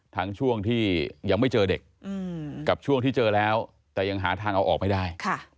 ช่วงที่ยังไม่เจอเด็กกับช่วงที่เจอแล้วแต่ยังหาทางเอาออกไม่ได้